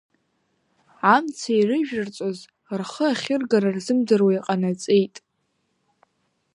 Амца ирыжәырҵоз рхы ахьыргара рзымдыруа иҟанаҵеит.